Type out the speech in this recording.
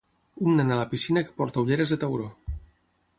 Un nen a la piscina que porta ulleres de tauró.